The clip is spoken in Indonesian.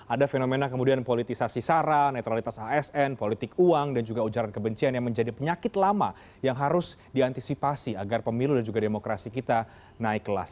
ada fenomena kemudian politisasi saran netralitas asn politik uang dan juga ujaran kebencian yang menjadi penyakit lama yang harus diantisipasi agar pemilu dan juga demokrasi kita naik kelas